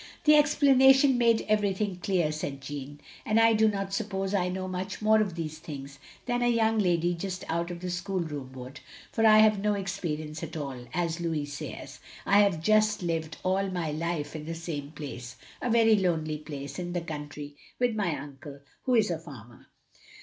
" The explanation made ever3rthing clear, " said Jeanne, " and I do not suppose I know much more of these things than a young lady just out of the schoolroom would; for I have no experience at all, as Louis says, I have just lived all my life in the same place, — a very lonely place, in the country, with my uncle, who is a farmer."